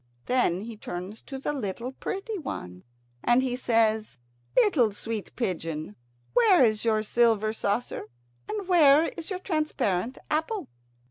Then he turns to the little pretty one, and he says: "Little sweet pigeon, where is your silver saucer, and where is your transparent apple?"